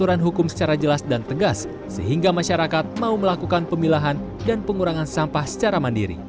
aturan hukum secara jelas dan tegas sehingga masyarakat mau melakukan pemilahan dan pengurangan sampah secara mandiri